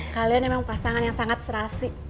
kalian emang pasangan yang sangat serasi